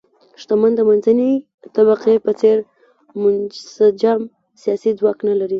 شتمن د منځنۍ طبقې په څېر منسجم سیاسي ځواک نه لري.